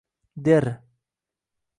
Der: